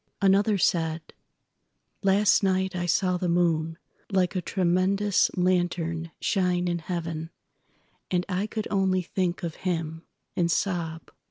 Another said: "Last night I saw the moonLike a tremendous lantern shine in heaven, And I could only think of him—and sob.